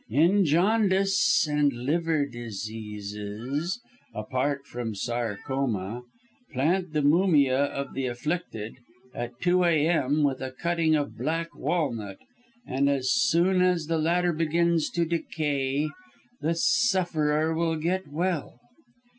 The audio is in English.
"In jaundice and liver diseases (apart from sarcoma), plant the mumia of the afflicted, at 2 a.m., with a cutting of black walnut, and as soon as the latter begins to decay, the sufferer will get well.